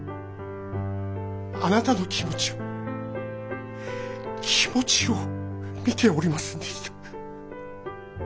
あなたの気持ちを気持ちを見ておりませんでした。